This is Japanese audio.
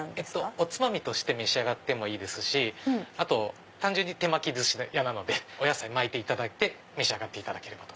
おつまみとして召し上がってもいいですし単純に手巻き寿司屋なのでお野菜巻いていただいて召し上がっていただければ。